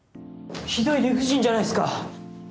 ひどい理不尽じゃないですか！